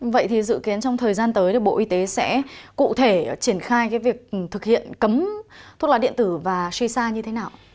vậy thì dự kiến trong thời gian tới thì bộ y tế sẽ cụ thể triển khai cái việc thực hiện cấm thuốc lá điện tử và shisha như thế nào